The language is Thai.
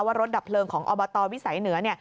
ว่ารถดับเพลิงของอบตวิสัยเหนือ